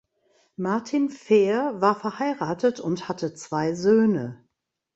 Martin Fehr war verheiratet und hatte zwei Söhne.